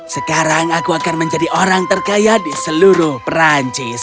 sekarang aku akan menjadi orang terkaya di seluruh perancis